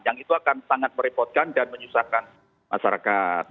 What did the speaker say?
yang itu akan sangat merepotkan dan menyusahkan masyarakat